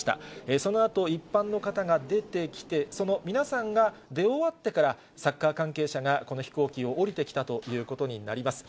そのあと、一般の方が出てきて、その皆さんが出終わってから、サッカー関係者がこの飛行機を降りてきたということになります。